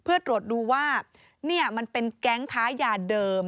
เพื่อตรวจดูว่านี่มันเป็นแก๊งค้ายาเดิม